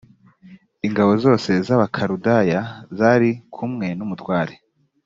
ingabo zose z’abakaludaya zari kumwe n’umutware